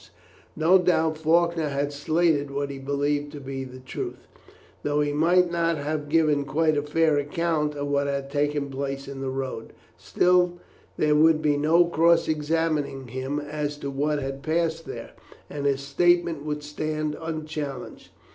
No doubt Faulkner had stated what he believed to be the truth, though he might not have given quite a fair account of what had taken place in the road; still, there would be no cross examining him as to what had passed there, and his statement would stand unchallenged.